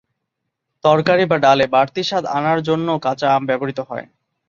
তরকারি বা ডালে বাড়তি স্বাদ আনার জন্যও কাঁচা আম ব্যবহূত হয়।